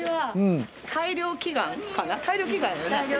大漁祈願よね？